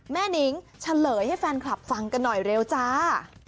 นิ้งเฉลยให้แฟนคลับฟังกันหน่อยเร็วจ้า